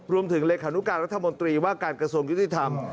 รวมถึงเลขานุการรัฐมนตรีว่าการกระทรวงยุติธรรม